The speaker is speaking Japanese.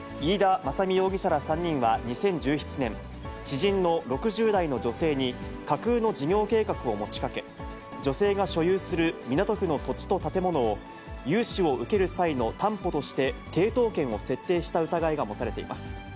正己容疑者ら３人は２０１７年、知人の６０代の女性に架空の事業計画を持ちかけ、女性が所有する港区の土地と建物を、融資を受ける際の担保として、抵当権を設定した疑いが持たれています。